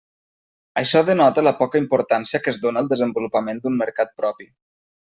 Això denota la poca importància que es dóna al desenvolupament d'un mercat propi.